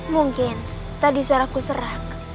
mungkin tadi suaraku serak